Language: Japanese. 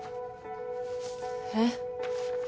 えっ